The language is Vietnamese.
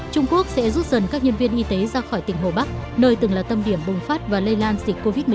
trung quốc sẽ rút dần các nhân viên y tế ra khỏi tỉnh hồ bắc nơi từng là tâm điểm bùng phát và lây lan dịch covid một mươi chín